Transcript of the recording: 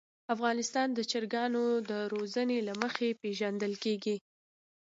افغانستان د چرګانو د روزنې له مخې پېژندل کېږي.